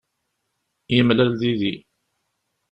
Yemlal yid-i.